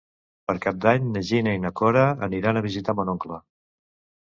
Per Cap d'Any na Gina i na Cora aniran a visitar mon oncle.